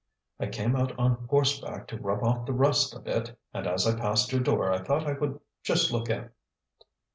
"I came out on horseback to rub off the rust a bit, and as I passed your door I thought I would just look in."